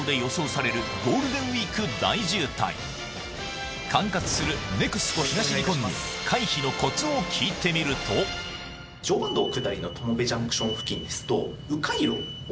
そんな管轄するＮＥＸＣＯ東日本に回避のコツを聞いてみると常磐道下りの友部ジャンクション付近ですと。